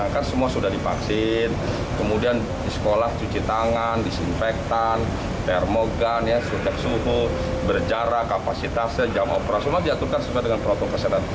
kemudian di sekolah cuci tangan disinfektan termogan suket suhu berjarak kapasitasnya jam operasi semua diaturkan sesuai dengan protokol peserta